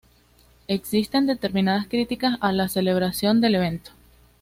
Existen determinadas críticas a la celebración del evento.